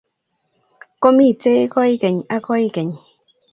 Komitei koikeny ak koikeny